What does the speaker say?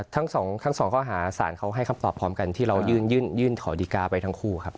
ทั้งสองข้อหาสารเขาให้คำตอบพร้อมกันที่เรายื่นขอดีการ์ไปทั้งคู่ครับ